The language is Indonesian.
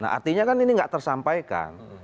nah artinya kan ini nggak tersampaikan